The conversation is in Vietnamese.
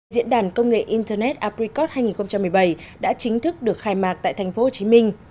diễn đàn công nghệ internet apecode hai nghìn một mươi bảy đã chính thức được khai mạc tại thành phố hồ chí minh